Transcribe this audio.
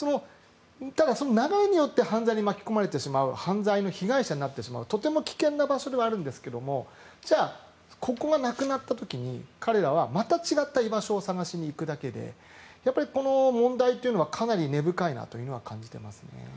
ただ、その流れによって犯罪に巻き込まれてしまう犯罪の被害者になってしまうとても危険な場所ではあるんですがじゃあここがなくなった時に彼らはまた違った居場所を探しに行くだけでこの問題というのはかなり根深いなというのは感じていますね。